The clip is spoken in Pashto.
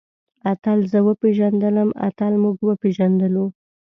اتل زه وپېژندلم. اتل موږ وپېژندلو.